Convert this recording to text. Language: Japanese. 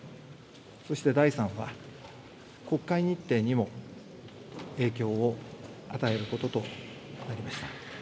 そして第３は、国会日程にも影響を与えることとなりました。